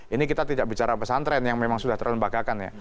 ini kita tidak bicara pesantren yang memang sudah terlembagakan ya